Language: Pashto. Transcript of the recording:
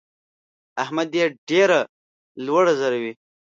احمد يې ډېره لوړه ځړوي.